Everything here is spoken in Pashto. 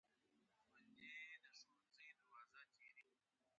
هوا سړه ده، نو ټول خلک کور کې پاتې کېږي.